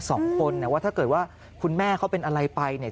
สองคนนะว่าถ้าเกิดว่าคุณแม่เขาเป็นอะไรไปเนี่ย